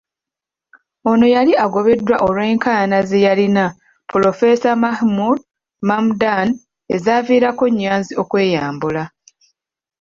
Ono yali agobeddwa olw'enkayaana ze yalina Pulofeesa Mahmood Mamdani ezaaviirako Nnyanzi n'okweyambula.